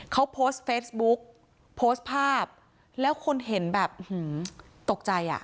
เค้าโพสเฟซบุ๊กโพสภาพแล้วคนเห็นหื้อตกใจอ่ะ